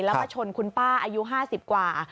แล้วก็ชนคุณป้าอายุห้าสิบกว่า